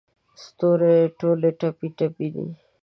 ستوري ټول ټپې، ټپي دی